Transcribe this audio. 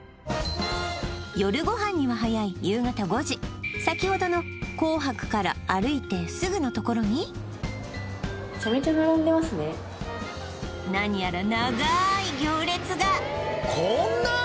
夜ご飯には早い夕方５時さきほどの赤白から歩いてすぐのところに何やら長い行列がこんな？